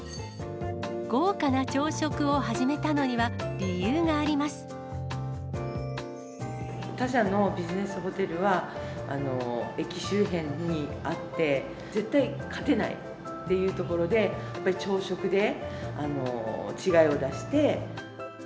豪華な朝食を始めたのには理他社のビジネスホテルは、駅周辺にあって、絶対勝てないっていうところで、やっぱり朝食で違いを出して。